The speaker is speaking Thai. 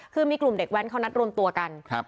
คือมีกลุ่มเด็กแว้นเขานัดรวมตัวกัน